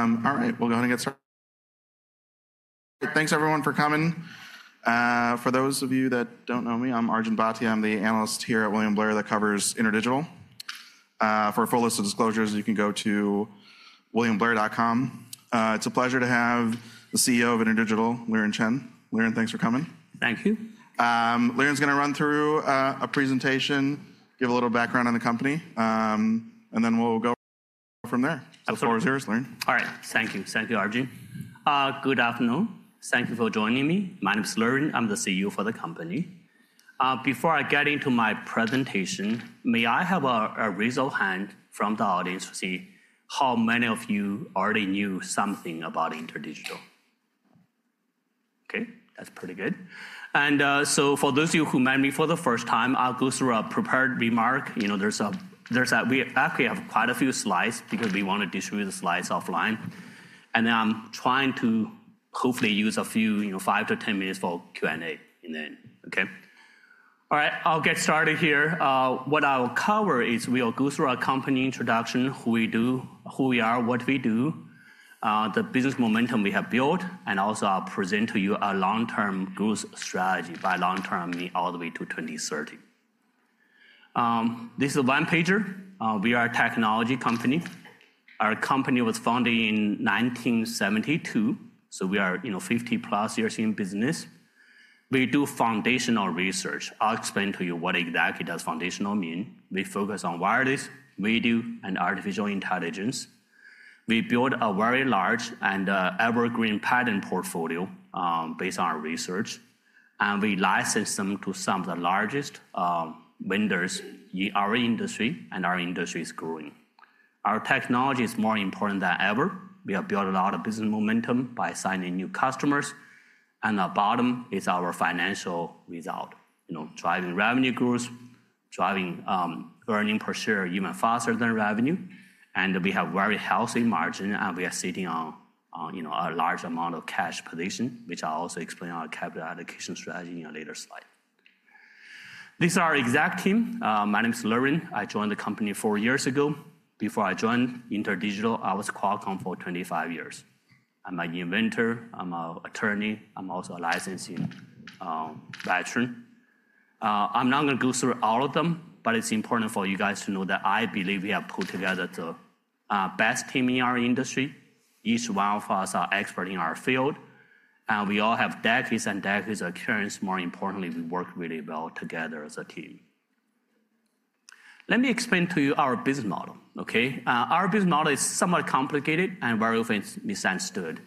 All right, we'll go ahead and get started. Thanks, everyone, for coming. For those of you that don't know me, I'm Arjun Bhatia. I'm the analyst here at William Blair that covers InterDigital. For a full list of disclosures, you can go to williamblair.com. It's a pleasure to have the CEO of InterDigital, Liren Chen. Liren, thanks for coming. Thank you. Liren's going to run through a presentation, give a little background on the company, and then we'll go from there. The floor is yours, Liren. All right. Thank you. Thank you, Arjun. Good afternoon. Thank you for joining me. My name is Liren. I'm the CEO for the company. Before I get into my presentation, may I have a raise of hand from the audience to see how many of you already knew something about InterDigital? OK, that's pretty good. For those of you who met me for the first time, I'll go through a prepared remark. We actually have quite a few slides because we want to distribute the slides offline. I'm trying to hopefully use a few, five to 10 minutes for Q&A in the end. OK? All right, I'll get started here. What I'll cover is we'll go through a company introduction, who we are, what we do, the business momentum we have built, and also I'll present to you a long-term growth strategy. By long-term, I mean all the way to 2030. This is a one-pager. We are a technology company. Our company was founded in 1972, so we are 50-plus years in business. We do foundational research. I'll explain to you what exactly does foundational mean. We focus on wireless, video, and artificial intelligence. We built a very large and evergreen patent portfolio based on our research. And we licensed them to some of the largest vendors in our industry, and our industry is growing. Our technology is more important than ever. We have built a lot of business momentum by signing new customers. The bottom is our financial result, driving revenue growth, driving earnings per share even faster than revenue. We have very healthy margins, and we are sitting on a large amount of cash position, which I'll also explain our capital allocation strategy in a later slide. This is our exec team. My name is Liren. I joined the company four years ago. Before I joined InterDigital, I was at Qualcomm for 25 years. I'm an inventor. I'm an attorney. I'm also a licensing veteran. I'm not going to go through all of them, but it's important for you guys to know that I believe we have put together the best team in our industry. Each one of us is an expert in our field. We all have decades and decades of experience. More importantly, we work really well together as a team. Let me explain to you our business model. Our business model is somewhat complicated and very often misunderstood.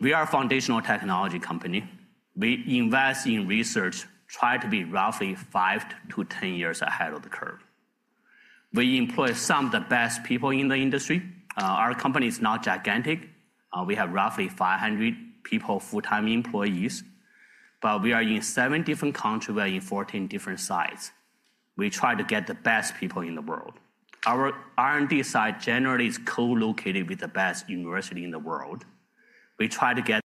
We are a foundational technology company. We invest in research, try to be roughly five to 10 years ahead of the curve. We employ some of the best people in the industry. Our company is not gigantic. We have roughly 500 people, full-time employees. We are in seven different countries. We are in 14 different sites. We try to get the best people in the world. Our R&D site generally is co-located with the best university in the world. We try to get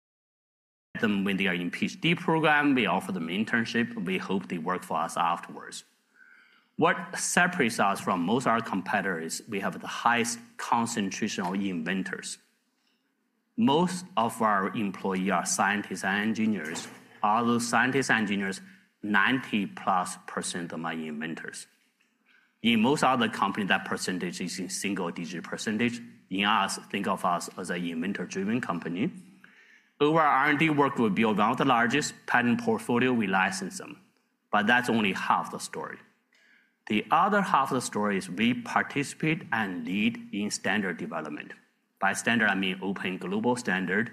them when they are in PhD programs. We offer them internships. We hope they work for us afterwards. What separates us from most of our competitors is we have the highest concentration of inventors. Most of our employees are scientists and engineers. Other scientists and engineers, 90%+ of my inventors. In most other companies, that percentage is in single-digit percentage. In us, think of us as an inventor-driven company. Our R&D work will be among the largest. Patent portfolio, we license them. That is only half the story. The other half of the story is we participate and lead in standard development. By standard, I mean open global standard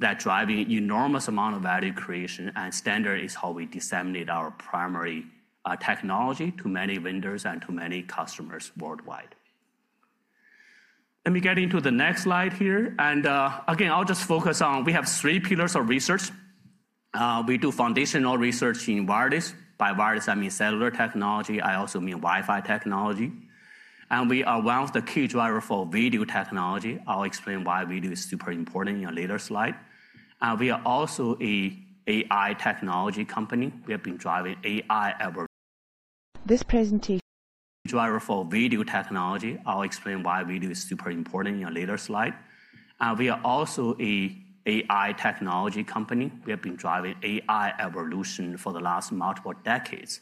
that is driving an enormous amount of value creation. Standard is how we disseminate our primary technology to many vendors and to many customers worldwide. Let me get into the next slide here. Again, I will just focus on we have three pillars of research. We do foundational research in wireless. By wireless, I mean cellular technology. I also mean Wi-Fi technology. We are one of the key drivers for video technology. I'll explain why video is super important in a later slide. We are also an AI technology company. We have been driving AI ever. This presentation. Driver for video technology. I'll explain why video is super important in a later slide. We are also an AI technology company. We have been driving AI evolution for the last multiple decades.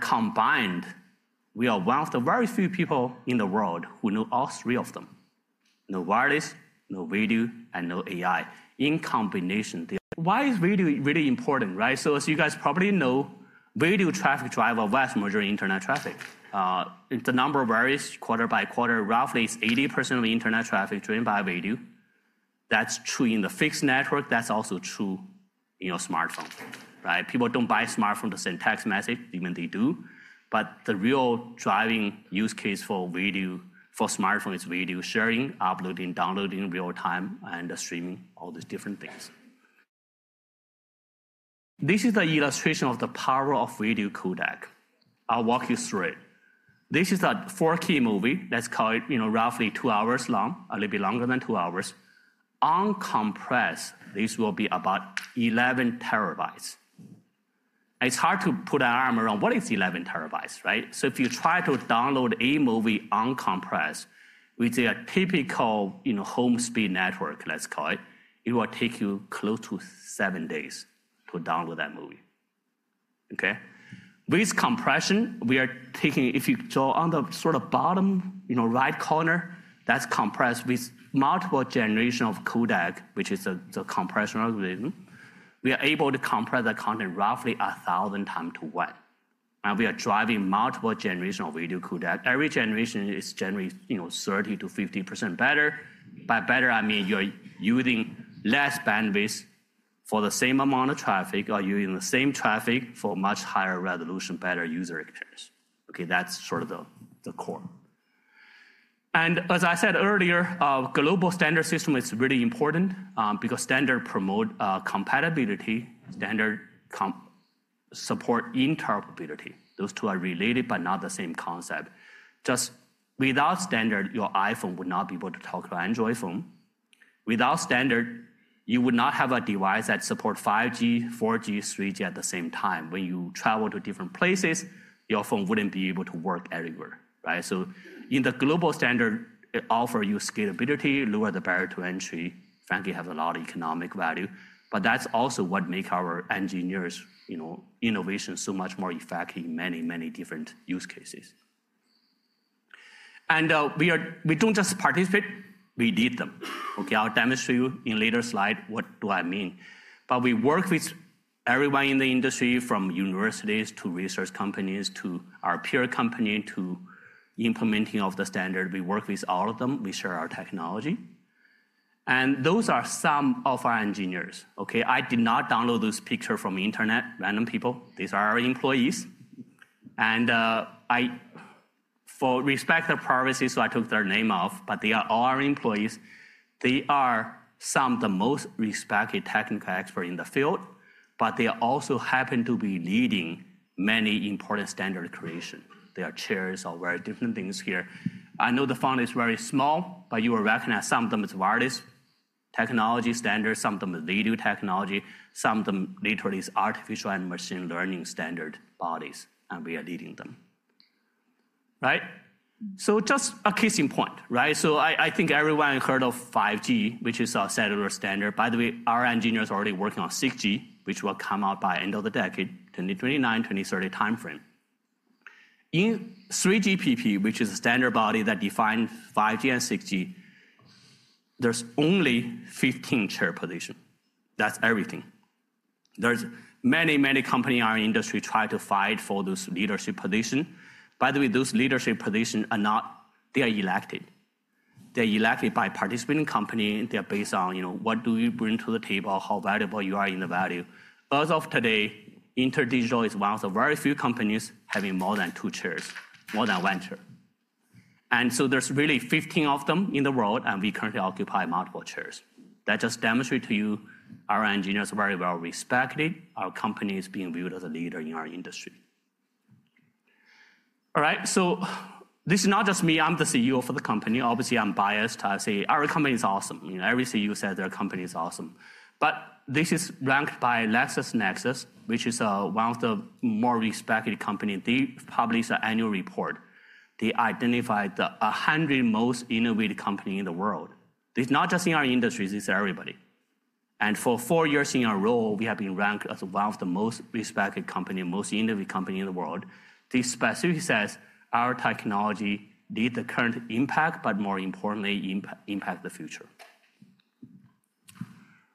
Combined, we are one of the very few people in the world who know all three of them: know wireless, know video, and know AI in combination. Why is video really important? As you guys probably know, video traffic drives vast majority of internet traffic. The number varies quarter by quarter. Roughly, it's 80% of internet traffic driven by video. That's true in the fixed network. That's also true in your smartphone. People don't buy smartphones to send text messages, even though they do. The real driving use case for smartphones is video sharing, uploading, downloading, real time, and streaming all these different things. This is an illustration of the power of video codec. I'll walk you through it. This is a 4K movie. Let's call it roughly two hours long, a little bit longer than two hours. Uncompressed, this will be about 11 TB. It's hard to put an arm around what is 11 terabytes. If you try to download a movie uncompressed with a typical home speed network, let's call it, it will take you close to seven days to download that movie. With compression, we are taking, if you draw on the sort of bottom right corner, that's compressed with multiple generations of codec, which is the compression algorithm. We are able to compress the content roughly 1,000x to one. We are driving multiple generations of video codec. Every generation is generally 30%-50% better. By better, I mean you're using less bandwidth for the same amount of traffic or using the same traffic for much higher resolution, better user experience. That's sort of the core. As I said earlier, a global standard system is really important because standard promotes compatibility. Standard supports interoperability. Those two are related, but not the same concept. Just without standard, your iPhone would not be able to talk to an Android phone. Without standard, you would not have a device that supports 5G, 4G, 3G at the same time. When you travel to different places, your phone wouldn't be able to work everywhere. In the global standard, it offers you scalability, lowers the barrier to entry, frankly, has a lot of economic value. That's also what makes our engineers' innovation so much more effective in many, many different use cases. We don't just participate. We lead them. I'll demonstrate to you in a later slide what do I mean. We work with everyone in the industry, from universities to research companies to our peer company to implementing of the standard. We work with all of them. We share our technology. Those are some of our engineers. I did not download this picture from the internet, random people. These are our employees. For respect of privacy, I took their name off, but they are all our employees. They are some of the most respected technical experts in the field. They also happen to be leading many important standard creations. They are chairs of very different things here. I know the fund is very small, but you will recognize some of them as wireless technology standards, some of them as video technology, some of them literally as artificial and machine learning standard bodies. We are leading them. Just a case in point. I think everyone heard of 5G, which is our cellular standard. By the way, our engineers are already working on 6G, which will come out by the end of the decade, 2029, 2030 time frame. In 3GPP, which is a standard body that defines 5G and 6G, there are only 15 chair positions. That is everything. There are many, many companies in our industry trying to fight for those leadership positions. By the way, those leadership positions are elected. They are elected by participating companies. They are based on what you bring to the table, how valuable you are in the value. As of today, InterDigital is one of the very few companies having more than two chairs, more than one chair. There are really 15 of them in the world, and we currently occupy multiple chairs. That just demonstrates to you our engineers are very well respected. Our company is being viewed as a leader in our industry. All right, this is not just me. I'm the CEO for the company. Obviously, I'm biased. I say our company is awesome. Every CEO says their company is awesome. This is ranked by LexisNexis, which is one of the more respected companies. They publish an annual report. They identify the 100 most innovative companies in the world. It's not just in our industry. This is everybody. For four years in our role, we have been ranked as one of the most respected companies, most innovative companies in the world. This specifically says our technology needs the current impact, but more importantly, impact the future.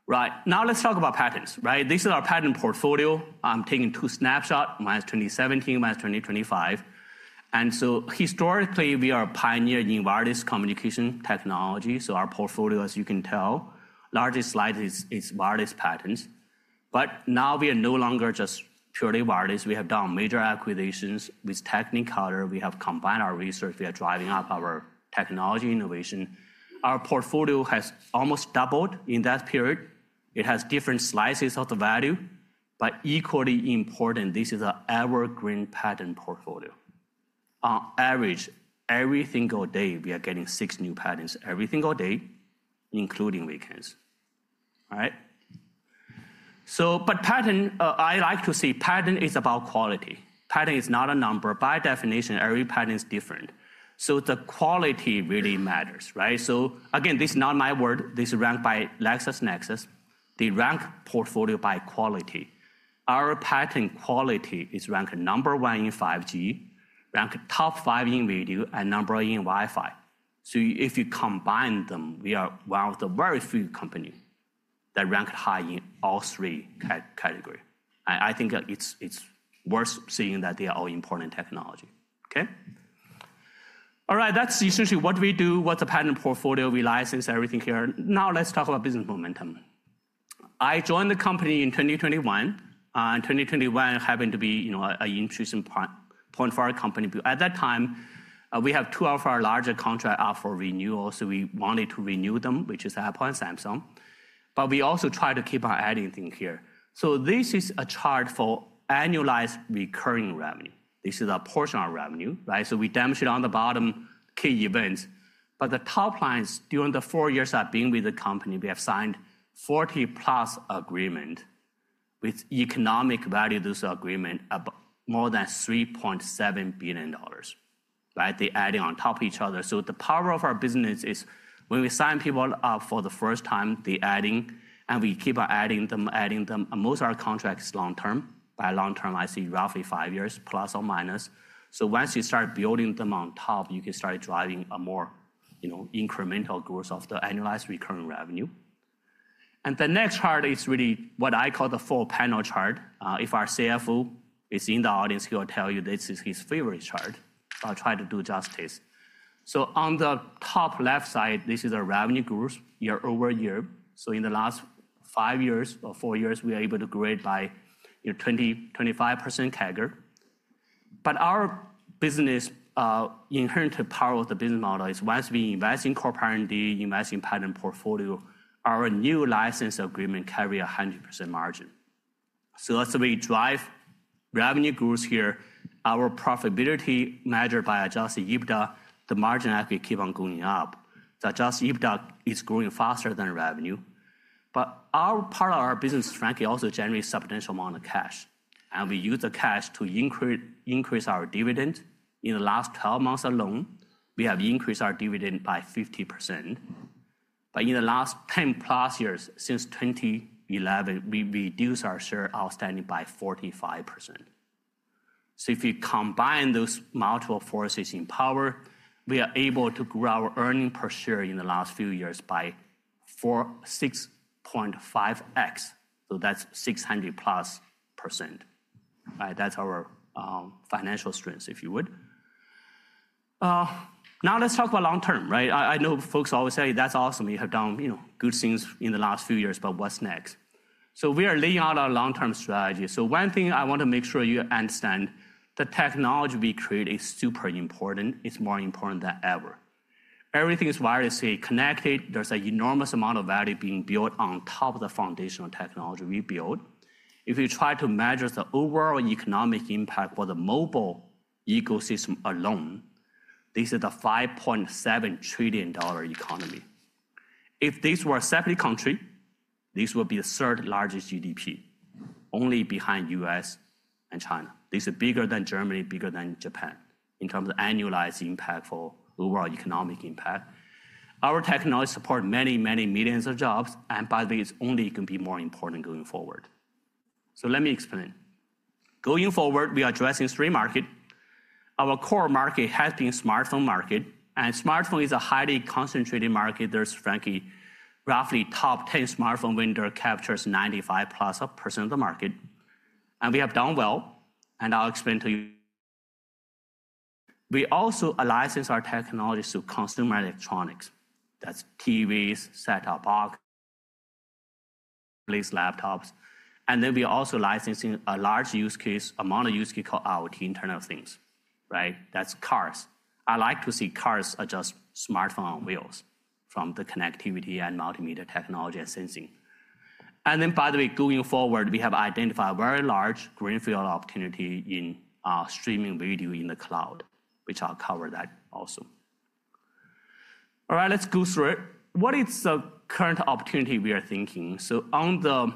Right, now let's talk about patents. This is our patent portfolio. I'm taking two snapshots, -2017, -2025. And so historically, we are a pioneer in wireless communication technology. So our portfolio, as you can tell, the largest slide is wireless patents. But now we are no longer just purely wireless. We have done major acquisitions with Technicolor. We have combined our research. We are driving up our technology innovation. Our portfolio has almost doubled in that period. It has different slices of the value. But equally important, this is an evergreen patent portfolio. On average, every single day, we are getting six new patents every single day, including weekends. But patent, I like to say patent is about quality. Patent is not a number. By definition, every patent is different. The quality really matters. Again, this is not my word. This is ranked by LexisNexis. They rank portfolio by quality. Our patent quality is ranked number one in 5G, ranked top five in video, and number one in Wi-Fi. If you combine them, we are one of the very few companies that rank high in all three categories. I think it is worth saying that they are all important technology. All right, that is essentially what we do, what is a patent portfolio. We license everything here. Now let's talk about business momentum. I joined the company in 2021. 2021 happened to be an interesting point for our company. At that time, we had two of our larger contracts out for renewal. We wanted to renew them, which is Apple and Samsung. We also tried to keep our editing here. This is a chart for annualized recurring revenue. This is a portion of our revenue. We demonstrate on the bottom key events. The top lines, during the four years I've been with the company, we have signed 40+ agreements with economic value. This agreement is more than $3.7 billion. They're adding on top of each other. The power of our business is when we sign people up for the first time, they're adding. We keep on adding them, adding them. Most of our contracts are long-term. By long-term, I see roughly five years, plus or minus. Once you start building them on top, you can start driving a more incremental growth of the annualized recurring revenue. The next chart is really what I call the four-panel chart. If our CFO is in the audience, he will tell you this is his favorite chart. I'll try to do justice. On the top left side, this is our revenue growth year over year. In the last five years or four years, we were able to grow it by 20%-25% CAGR. Our business inherent power of the business model is once we invest in corporate R&D, invest in patent portfolio, our new license agreement carries 100% margin. As we drive revenue growth here, our profitability measured by adjusted EBITDA, the margin actually keeps on going up. The adjusted EBITDA is growing faster than revenue. Part of our business, frankly, also generates a substantial amount of cash. We use the cash to increase our dividend. In the last 12 months alone, we have increased our dividend by 50%. In the last 10+ years, since 2011, we reduced our share outstanding by 45%. If you combine those multiple forces in power, we are able to grow our earnings per share in the last few years by 6.5x. That is 600%+. That is our financial strength, if you would. Now let's talk about long-term. I know folks always say, "That's awesome. You have done good things in the last few years. But what's next?" We are laying out our long-term strategy. One thing I want to make sure you understand, the technology we create is super important. It is more important than ever. Everything is wirelessly connected. There is an enormous amount of value being built on top of the foundational technology we build. If you try to measure the overall economic impact for the mobile ecosystem alone, this is a $5.7 trillion economy. If this were a separate country, this would be the third largest GDP, only behind the U.S. and China. This is bigger than Germany, bigger than Japan in terms of annualized impact for overall economic impact. Our technology supports many, many millions of jobs. By the way, it's only going to be more important going forward. Let me explain. Going forward, we are addressing three markets. Our core market has been the smartphone market. Smartphone is a highly concentrated market. There's, frankly, roughly top 10 smartphone vendors capturing 95%+ of the market. We have done well. I'll explain to you. We also license our technology to consumer electronics. That's TVs, set-top boxes, laptops. We are also licensing a large use case, a mono use case called IoT, Internet of Things. That's cars. I like to see cars adjust smartphone wheels from the connectivity and multimedia technology and sensing. By the way, going forward, we have identified a very large greenfield opportunity in streaming video in the cloud, which I'll cover that also. All right, let's go through it. What is the current opportunity we are thinking? On the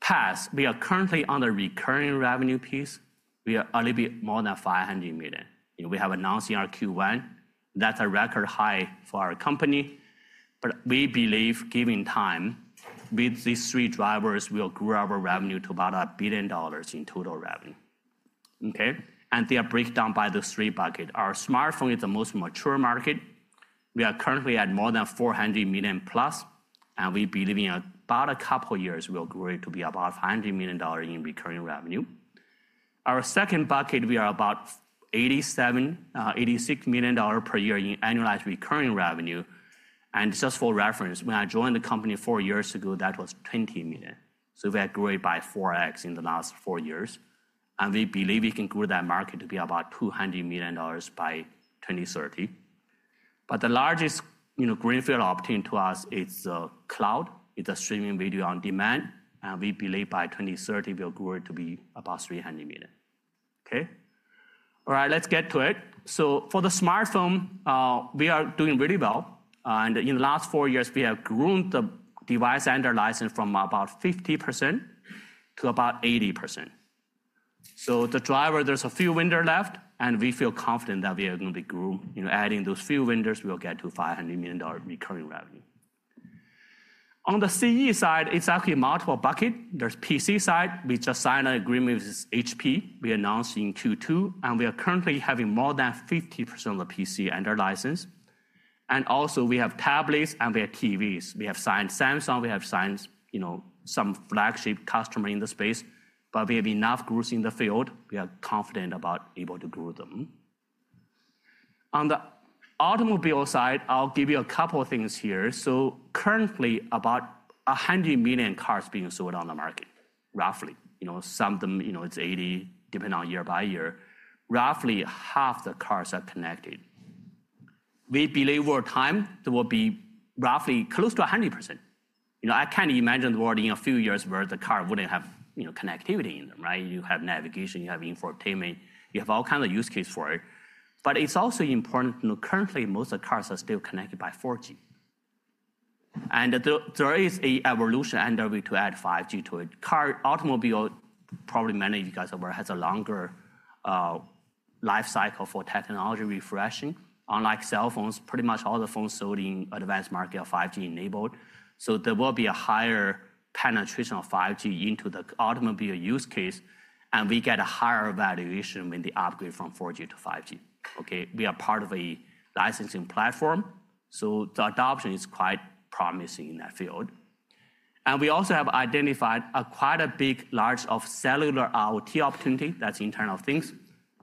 past, we are currently on the recurring revenue piece. We are a little bit more than $500 million. We have announced in our Q1. That's a record high for our company. We believe, given time, with these three drivers, we will grow our revenue to about $1 billion in total revenue. They are breakdown by the three buckets. Our smartphone is the most mature market. We are currently at more than $400 million+. We believe in about a couple of years, we will grow it to be about $500 million in recurring revenue. Our second bucket, we are about $86 million per year in annualized recurring revenue. Just for reference, when I joined the company four years ago, that was $20 million. We have grown it by 4x in the last four years. We believe we can grow that market to be about $200 million by 2030. The largest greenfield opportunity to us is cloud. It is streaming video on demand. We believe by 2030, we will grow it to be about $300 million. All right, let's get to it. For the smartphone, we are doing really well. In the last four years, we have grown the device under license from about 50% to about 80%. The driver, there are a few vendors left. We feel confident that we are going to be growing. Adding those few vendors, we will get to $500 million recurring revenue. On the CE side, it is actually multiple buckets. There is PC side. We just signed an agreement with HP. We announced in Q2. We are currently having more than 50% of the PC under license. Also, we have tablets and we have TVs. We have signed Samsung. We have signed some flagship customers in the space. We have enough growth in the field. We are confident about able to grow them. On the automobile side, I will give you a couple of things here. Currently, about 100 million cars are being sold on the market, roughly. Some of them, it is 80, depending on year by year. Roughly half the cars are connected. We believe over time, there will be roughly close to 100%. I can't imagine the world in a few years where the car wouldn't have connectivity in them. You have navigation. You have infotainment. You have all kinds of use cases for it. It is also important to know currently, most of the cars are still connected by 4G. There is an evolution underway to add 5G to it. Car automobile, probably many of you guys are aware, has a longer life cycle for technology refreshing. Unlike cell phones, pretty much all the phones sold in the advanced market are 5G-enabled. There will be a higher penetration of 5G into the automobile use case. We get a higher valuation when they upgrade from 4G to 5G. We are part of a licensing platform. The adoption is quite promising in that field. We also have identified quite a big large of cellular IoT opportunity. That's Internet of Things.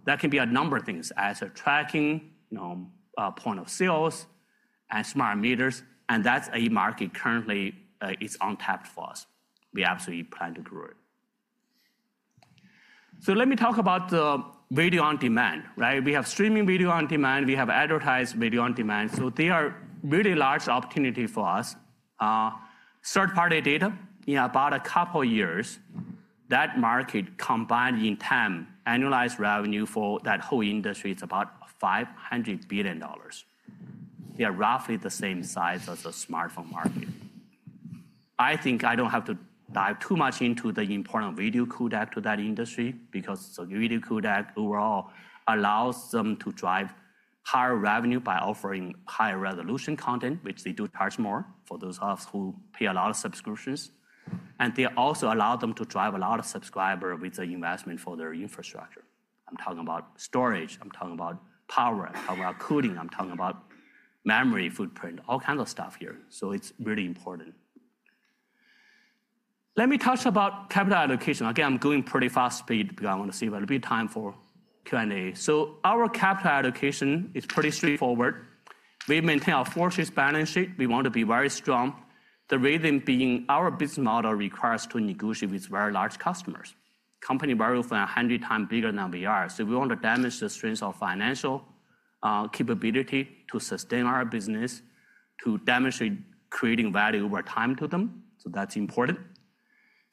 That can be a number of things, as a tracking point of sales and smart meters. That is a market currently is untapped for us. We absolutely plan to grow it. Let me talk about the video on demand. We have streaming video on demand. We have advertised video on demand. They are really large opportunities for us. Third-party data, in about a couple of years, that market combined in time, annualized revenue for that whole industry is about $500 billion. They are roughly the same size as the smartphone market. I think I do not have to dive too much into the important video codec to that industry because the video codec overall allows them to drive higher revenue by offering higher resolution content, which they do charge more for those of us who pay a lot of subscriptions. They also allow them to drive a lot of subscribers with the investment for their infrastructure. I'm talking about storage. I'm talking about power. I'm talking about cooling. I'm talking about memory footprint, all kinds of stuff here. It is really important. Let me touch about capital allocation. Again, I'm going pretty fast speed because I want to save a little bit of time for Q&A. Our capital allocation is pretty straightforward. We maintain our fortress balance sheet. We want to be very strong. The reason being our business model requires us to negotiate with very large customers. Company very often 100x bigger than we are. We want to demonstrate the strength of financial capability to sustain our business, to demonstrate creating value over time to them. That is important.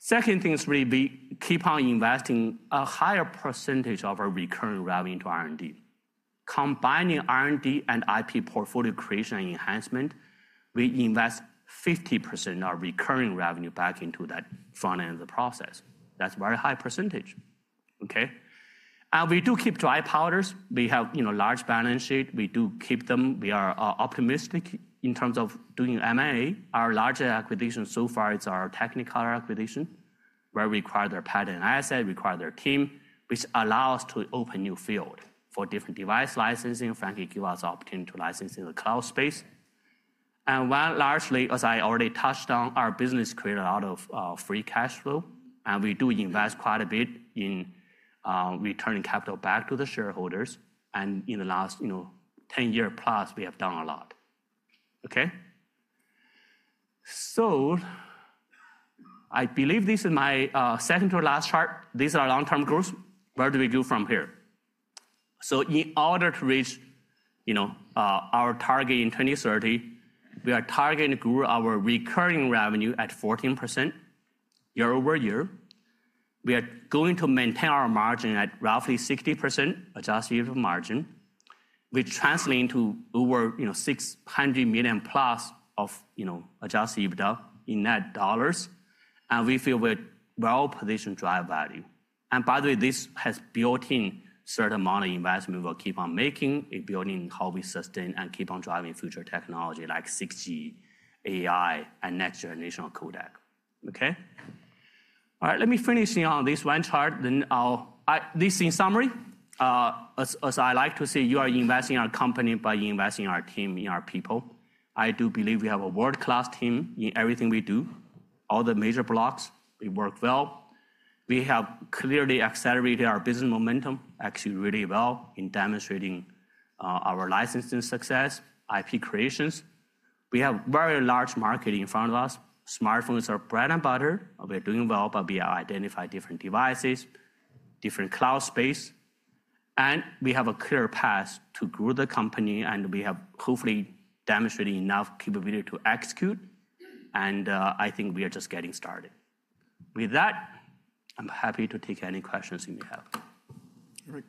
Second thing is really we keep on investing a higher percentage of our recurring revenue into R&D. Combining R&D and IP portfolio creation and enhancement, we invest 50% of our recurring revenue back into that front-end of the process. That's a very high percentage. We do keep dry powders. We have a large balance sheet. We do keep them. We are optimistic in terms of doing M&A. Our largest acquisition so far is our Technicolor acquisition, where we acquired their patent asset, acquired their team, which allows us to open new fields for different device licensing, frankly give us the opportunity to license in the cloud space. Largely, as I already touched on, our business created a lot of free cash flow. We do invest quite a bit in returning capital back to the shareholders. In the last 10+ year, we have done a lot. I believe this is my second to last chart. These are our long-term growth. Where do we go from here? In order to reach our target in 2030, we are targeting to grow our recurring revenue at 14% year over year. We are going to maintain our margin at roughly 60% adjusted EBITDA margin, which translates into over $600 million plus of adjusted EBITDA in net dollars. We feel we're well-positioned to drive value. By the way, this has built in a certain amount of investment we'll keep on making and building how we sustain and keep on driving future technology like 6G, AI, and next-generation codec. All right, let me finish on this one chart. This is in summary. As I like to say, you are investing in our company by investing in our team, in our people. I do believe we have a world-class team in everything we do. All the major blocks, we work well. We have clearly accelerated our business momentum, actually really well, in demonstrating our licensing success, IP creations. We have a very large market in front of us. Smartphones are bread and butter. We're doing well, but we are identifying different devices, different cloud space. We have a clear path to grow the company. We have hopefully demonstrated enough capability to execute. I think we are just getting started. With that, I'm happy to take any questions you may have. Great.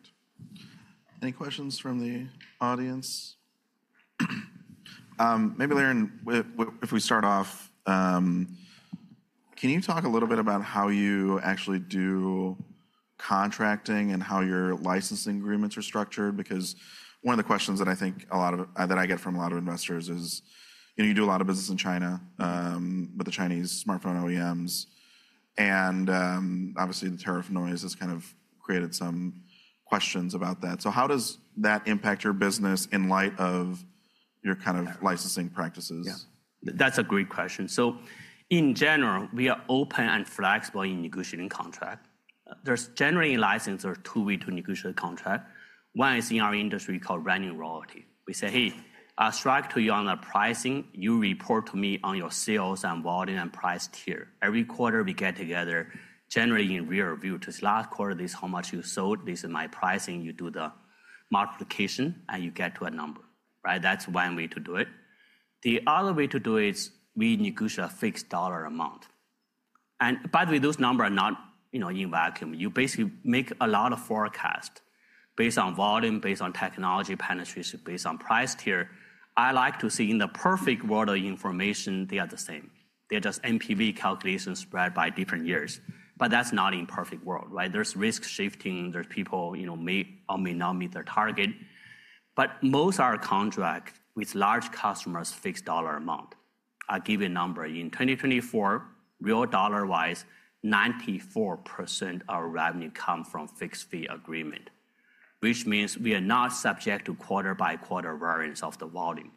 Any questions from the audience? Maybe, Liren, if we start off, can you talk a little bit about how you actually do contracting and how your licensing agreements are structured? Because one of the questions that I think that I get from a lot of investors is you do a lot of business in China with the Chinese smartphone OEMs. Obviously, the tariff noise has kind of created some questions about that. How does that impact your business in light of your kind of licensing practices? Yeah, that's a great question. In general, we are open and flexible in negotiating contract. There's generally licenses are two-way to negotiate contract. One is in our industry called revenue royalty. We say, "Hey, I'll strike to you on the pricing. You report to me on your sales and volume and price tier." Every quarter, we get together, generally in rear view, to say, "Last quarter, this is how much you sold. This is my pricing. You do the multiplication, and you get to a number." That's one way to do it. The other way to do it is we negotiate a fixed dollar amount. By the way, those numbers are not in vacuum. You basically make a lot of forecasts based on volume, based on technology penetration, based on price tier. I like to see in the perfect world of information, they are the same. They are just MPV calculations spread by different years. That is not in the perfect world. There is risk shifting. People may or may not meet their target. Most of our contracts with large customers, fixed dollar amount, I give you a number. In 2024, real dollar-wise, 94% of our revenue comes from fixed fee agreement, which means we are not subject to quarter-by-quarter variance of the volume.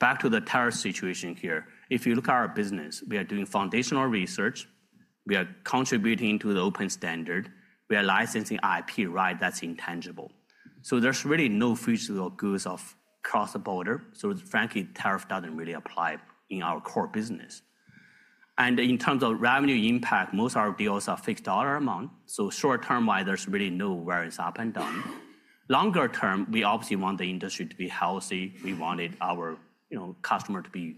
Back to the tariff situation here. If you look at our business, we are doing foundational research. We are contributing to the open standard. We are licensing IP. That is intangible. There is really no physical goods across the border. Frankly, tariff does not really apply in our core business. In terms of revenue impact, most of our deals are fixed dollar amount. Short-term-wise, there is really no variance up and down. Longer term, we obviously want the industry to be healthy. We wanted our customer to be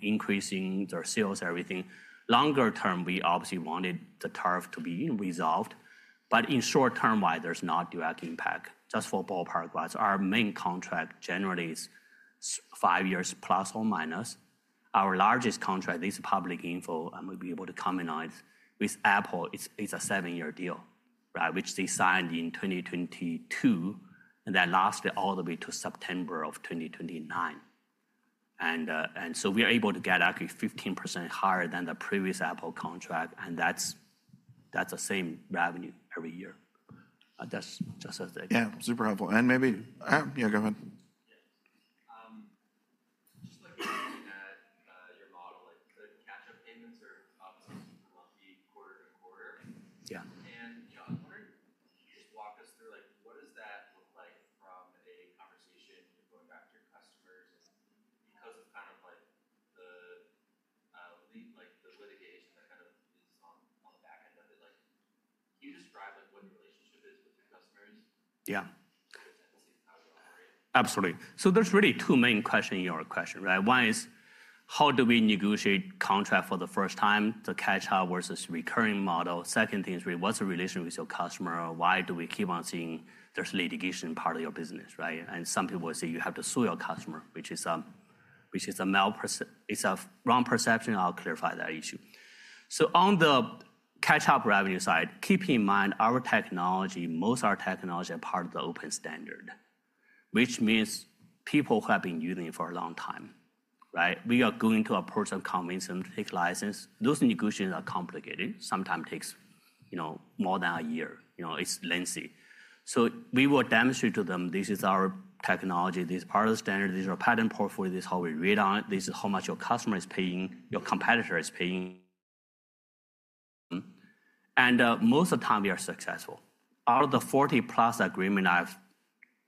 increasing their sales, everything. Longer term, we obviously wanted the tariff to be resolved. In short-term-wise, there's not direct impact, just for ballpark-wise. Our main contract generally is five years plus or minus. Our largest contract, this is public info, and we'll be able to commonize with Apple. It's a seven-year deal, which they signed in 2022. That lasted all the way to September of 2029. We are able to get actually 15% higher than the previous Apple contract. That's the same revenue every year. That's just a thing. Yeah, super helpful. Maybe, yeah, go ahead. catch-up revenue side, keep in mind our technology, most of our technology are part of the open standard, which means people who have been using it for a long time. We are going to approach and convince them to take license. Those negotiations are complicated. Sometimes it takes more than a year. It's lengthy. We will demonstrate to them, this is our technology. This is part of the standard. These are our patent portfolio. This is how we read on it. This is how much your customer is paying, your competitor is paying. Most of the time, we are successful. Out of the 40-plus agreements I have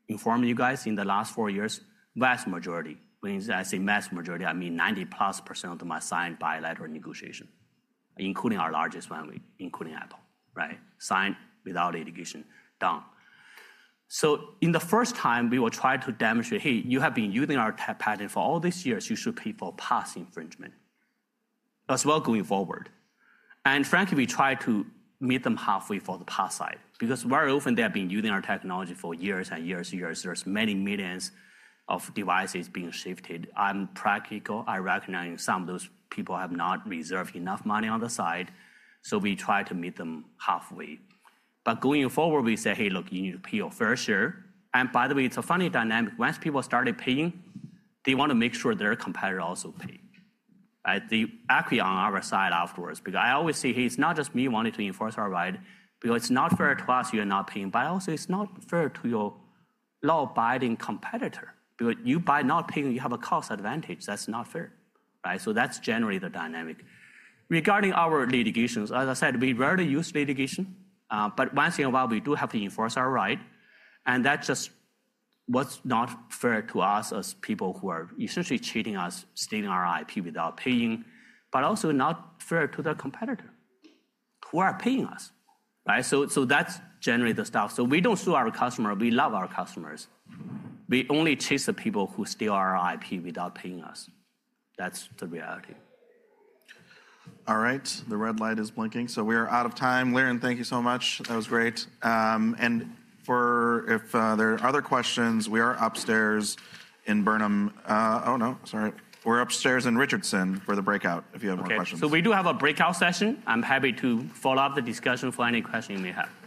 informed you guys in the last four years, vast majority, when I say vast majority, I mean 90-plus % of them are signed bilateral negotiation, including our largest one, including Apple, signed without litigation. Done. In the first time, we will try to demonstrate, hey, you have been using our patent for all these years. You should pay for past infringement as well going forward. Frankly, we try to meet them halfway for the past side because very often they have been using our technology for years and years and years. There are many millions of devices being shipped. I am practical. I recognize some of those people have not reserved enough money on the side. We try to meet them halfway. Going forward, we say, hey, look, you need to pay your fair share. By the way, it is a funny dynamic. Once people started paying, they want to make sure their competitor also pay. They act on our side afterwards because I always say, hey, it is not just me wanting to enforce our right because it is not fair to us. You are not paying. Also, it is not fair to your law-abiding competitor because you, by not paying, you have a cost advantage. That is not fair. That is generally the dynamic. Regarding our litigations, as I said, we rarely use litigation. Once in a while, we do have to enforce our right. That's just what's not fair to us as people who are essentially cheating us, stealing our IP without paying, but also not fair to the competitor who are paying us. That's generally the stuff. We do not sue our customer. We love our customers. We only chase the people who steal our IP without paying us. That's the reality. All right. The red light is blinking. So we are out of time. Liren, thank you so much. That was great. If there are other questions, we are upstairs in Burnham. Oh, no, sorry. We're upstairs in Richardson for the breakout if you have more questions. Okay. So we do have a breakout session. I'm happy to follow up the discussion for any question you may have. Thanks.